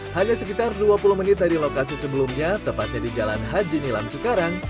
hanya sekitar dua puluh menit dari lokasi sebelumnya tepatnya di jalan haji nilam cikarang